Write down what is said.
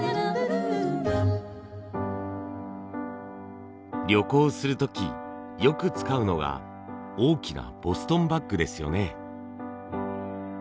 小物とか端まで全部旅行する時よく使うのが大きなボストンバッグですよね。